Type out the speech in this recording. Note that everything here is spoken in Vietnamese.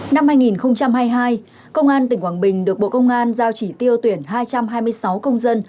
năm hai nghìn hai mươi hai công an tỉnh quảng bình được bộ công an giao chỉ tiêu tuyển hai trăm hai mươi sáu công dân